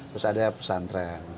terus ada pesantren